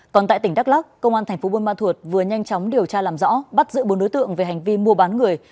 còn tại tỉnh đắk lắc công an thành phố buôn ma thuột vừa nhanh chóng điều tra làm rõ bắt giữ bốn đối tượng về hành vi mua bán người